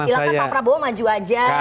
silahkan pak prabowo maju aja